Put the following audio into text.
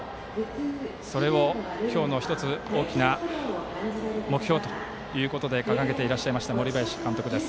それを今日の１つ大きな目標ということで掲げていらっしゃいました森林監督。